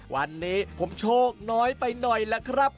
วันนี้ผมโชคน้อยไปหน่อยล่ะครับ